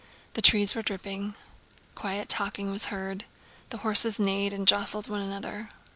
The trees were dripping. Quiet talking was heard. The horses neighed and jostled one another.